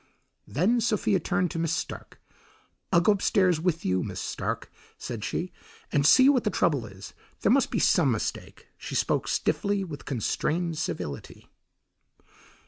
Then Sophia turned to Miss Stark. "I'll go upstairs with you, Miss Stark," said she, "and see what the trouble is. There must be some mistake." She spoke stiffly with constrained civility.